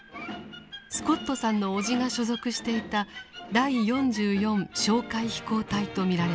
スコットさんの叔父が所属していた「第４４哨戒飛行隊」と見られます。